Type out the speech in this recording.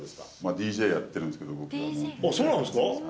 ＤＪやってるんですけど、そうなんですか。